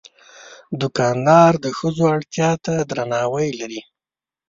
دوکاندار د ښځو اړتیا ته درناوی لري.